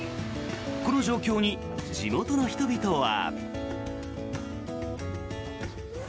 この状況に地元の人々は。